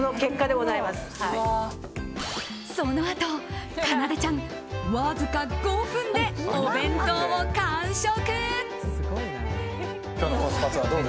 そのあと、かなでちゃんわずか５分でお弁当を完食。